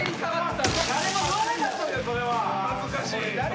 恥ずかしい。